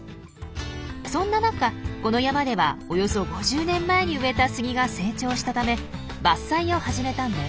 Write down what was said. そんな中この山ではおよそ５０年前に植えたスギが成長したため伐採を始めたんです。